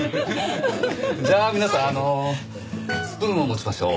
じゃあ皆さんスプーンを持ちましょう。